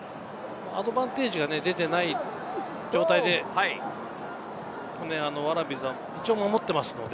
アドバンテージが出ていない状態で、ワラビーズは一応守っていますもんね。